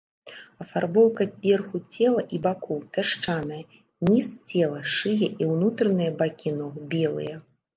Афарбоўка верху цела і бакоў пясчаная, ніз цела, шыя і ўнутраныя бакі ног белыя.